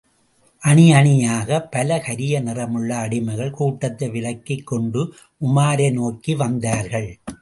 அணியணியாகப் பல கரிய நிறமுள்ள அடிமைகள் கூட்டத்தை விலக்கிக் கொண்டு, உமாரை நோக்கி வந்தார்கள்!